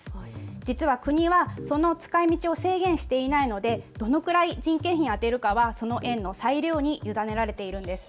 実は国はその使いみちを制限していないのでどのくらい人件費に充てるかはその園の裁量に委ねられているんです。